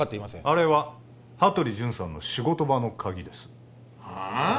あれは羽鳥潤さんの仕事場の鍵ですはあ？